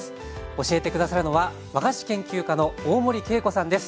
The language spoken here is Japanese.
教えて下さるのは和菓子研究家の大森慶子さんです。